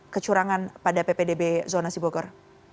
kecurangan pada ppdb zona sibukor